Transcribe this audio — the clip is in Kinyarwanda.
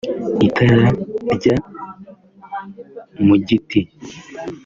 Itara rya Mugiti